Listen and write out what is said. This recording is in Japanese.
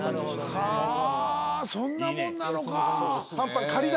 はぁそんなもんなのか。